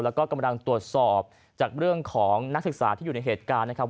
แล้วก็กำลังตรวจสอบจากเรื่องของนักศึกษาที่อยู่ในเหตุการณ์นะครับ